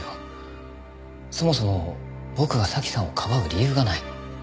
そもそも僕が早紀さんをかばう理由がない。